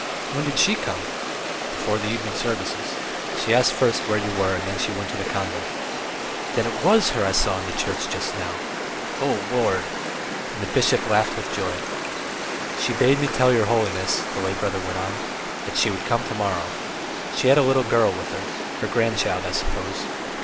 When did she come?" "Before the evening service. She asked first where you were and then she went to the convent." "Then it was her I saw in the church, just now! Oh, Lord!" And the bishop laughed with joy. "She bade me tell your holiness," the lay brother went on, "that she would come to morrow. She had a little girl with her her grandchild, I suppose.